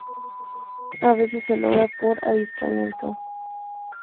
A veces se logra por adiestramiento.